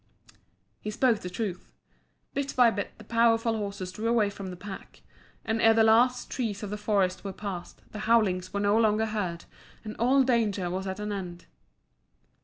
He spoke the truth. Bit by bit the powerful horses drew away from the pack, and ere the last trees of the forest were passed, the howlings were no longer heard and all danger was at an end.